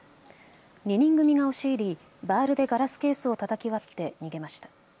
２人組が押し入りバールでガラスケースをたたき割って逃げました。